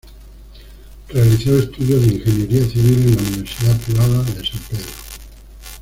Realizó estudios de ingeniería civil en la Universidad Privada San Pedro.